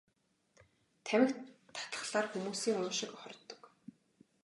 Тамхи татахлаар хүмүүсийн уушиг хордог.